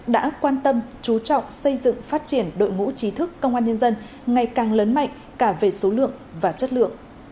đã quan tâm chú trọng xây dựng phát triển đội ngũ trí thức công an nhân dân ngày càng lớn mạnh cả về số lượng và chất lượng